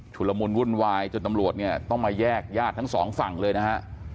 ละมุนวุ่นวายจนตำรวจเนี่ยต้องมาแยกญาติทั้งสองฝั่งเลยนะฮะ